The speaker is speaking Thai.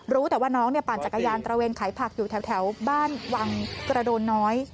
รู้แต่ว่าน้องปั่นจักรยานตระเวนขายผักอยู่แถวบ้านวังกระโดนน้อย